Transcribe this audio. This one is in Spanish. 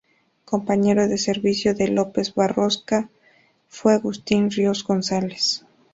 Compañero de servicio de López Borrasca fue Agustín Ríos González.